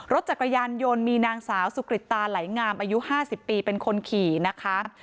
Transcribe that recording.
รถจักรยานยนต์มีนางสาวสุกริตตาไหลงามอายุ๕๐ปีเป็นคนขี่นะคะ